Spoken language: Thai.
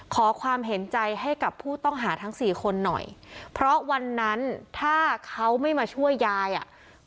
ขอความเห็นใจให้กับผู้ต้องหาทั้งสี่คนหน่อยเพราะวันนั้นถ้าเขาไม่มาช่วยยายอ่ะ